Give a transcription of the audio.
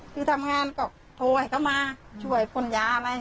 คือทำงานก็โทรให้เขามาช่วยพ่นยาอะไร